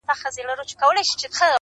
ستا د سونډو له ساغره به یې جار کړم،